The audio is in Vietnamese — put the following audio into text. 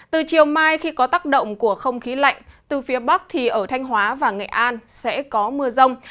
từ chiều mai khi có tác động của không khí lạnh từ phía bắc thì ở thanh hóa và nghệ an sẽ có mưa rông